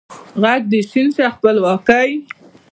ږغ د ې شین شه خپلواکۍ